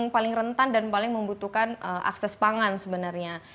paling rentan dan paling membutuhkan akses pangan sebenarnya